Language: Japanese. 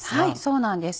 そうなんです